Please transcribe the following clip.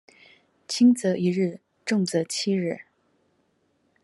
輕則一日重則七日